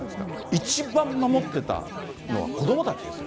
一番守ってたのは子どもたちですよ。